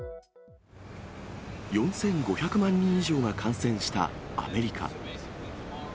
４５００万人以上が感染したアメリカ。